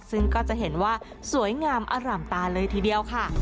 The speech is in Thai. ซึ่งก็จะเห็นว่าสวยงามอร่ำตาเลยทีเดียวค่ะ